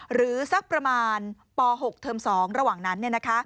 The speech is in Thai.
สักประมาณป๖เทอม๒ระหว่างนั้น